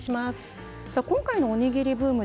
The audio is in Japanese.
今回のおにぎりブーム